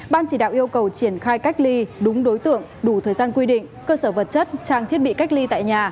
ban chỉ đạo yêu cầu triển khai cách ly đúng đối tượng đủ thời gian quy định cơ sở vật chất trang thiết bị cách ly tại nhà